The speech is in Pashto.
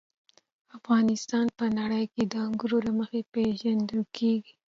افغانستان په نړۍ کې د انګورو له مخې پېژندل کېږي.